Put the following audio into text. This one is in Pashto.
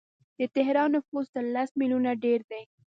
د تهران نفوس تر لس میلیونه ډیر دی.